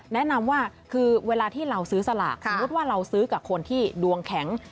แนะนำว่าคือเวลาที่เราซื้อสลากสมมุติว่าเราซื้อกับคนที่ดวงแข็ง